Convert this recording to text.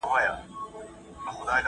مجاهدین د حق ناره په هر ځای کي وهي.